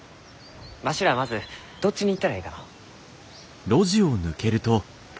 わしらまずどっちに行ったらえいかのう？